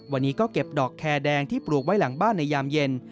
วันนี้ก็เก็บดอกแคร์แดงที่ปลูกไว้หลังบ้านในยามเย็น